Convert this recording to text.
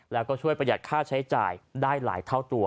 แล้วก็ช่วยประหยัดค่าใช้จ่ายได้หลายเท่าตัว